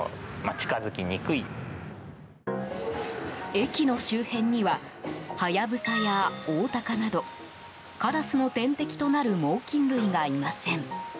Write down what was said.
駅の周辺にはハヤブサやオオタカなどカラスの天敵となる猛禽類がいません。